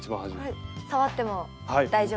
これ触っても大丈夫ですか？